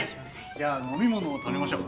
じゃあ飲み物をたのみましょう。